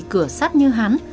cửa sắt như hắn